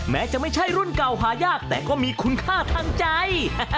แม้จะไม่ใช่รุ่นเก่าหายากแต่ก็มีคุณค่าทางใจ